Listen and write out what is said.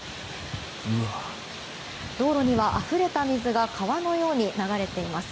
道路にはあふれた水が川のように流れています。